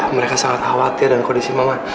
mereka sangat khawatir dan kondisi mama